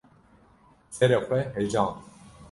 ‘’ serê xwe hejand.